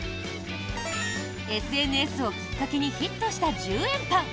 ＳＮＳをきっかけにヒットした１０円パン。